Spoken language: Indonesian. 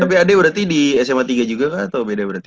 tapi ade berarti di sma tiga juga kah atau beda berarti